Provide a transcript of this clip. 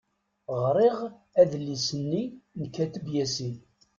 Ɣriɣ adlis-nni n Kateb Yasin.